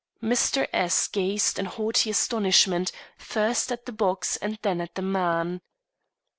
_" Mr. S gazed in haughty astonishment, first at the box and then at the man.